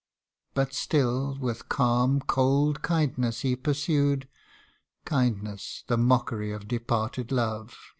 But still, with calm, cold kindness he pursued (Kindness, the mockery of departed love